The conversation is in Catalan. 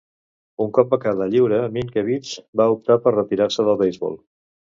Un cop va quedar lliure, Mientkiewicz va optar per retirar-se del beisbol.